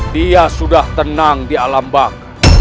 dia sudah tenang di alam bak